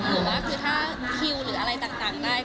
หรือว่าคือถ้าคิวหรืออะไรต่างได้